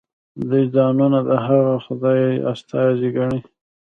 دوی ځانونه د هغه خدای استازي ګڼي.